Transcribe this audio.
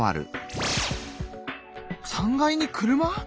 ３階に車！？